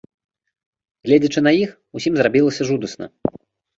Гледзячы на іх, усім зрабілася жудасна.